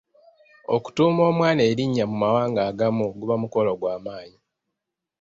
Okutuuma omwana erinnya mu mawanga agamu guba mukolo gw'amaanyi.